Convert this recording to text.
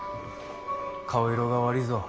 顔色が悪ぃぞ。